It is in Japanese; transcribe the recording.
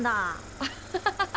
アハハハハ。